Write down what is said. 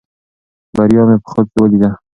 بریا مې په خوب کې ولیده.